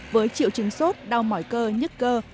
với triệu chứng sốt đau mỏi cơ nhức cơ